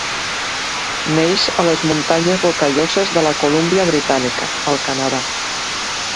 Neix a les Muntanyes Rocalloses de la Colúmbia Britànica, al Canadà.